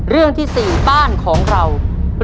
เพื่อชิงทุนต่อชีวิตสูงสุด๑ล้านบาท